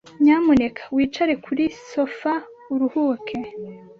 Nyamuneka wicare kuri sofa uruhuke.